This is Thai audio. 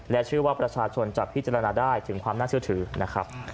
เชื่อว่าประชาชนจะพิจารณาได้ถึงความน่าเชื่อถือนะครับ